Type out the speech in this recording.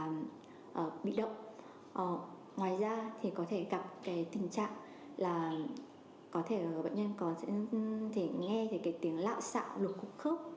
ngoài ra thì có thể gặp cái tình trạng là có thể bệnh nhân có thể nghe cái tiếng lạo xạo lục cục khớp